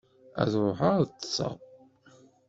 Ad ruḥeɣ ad ṭṭseɣ.